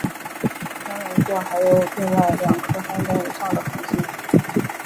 天龙座还有另外两颗三等以上的恒星。